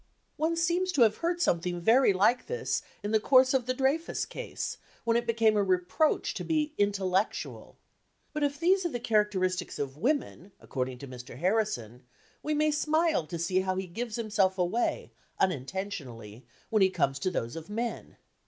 One seems to have heard something very like this in the course of the Dreyfus case, when it became a reproach to be "intellectual." But if these are the characteristics of women, according to Mr. Harrison, we may smile to see how he gives himself away, unintentionally, when he comes to those of men.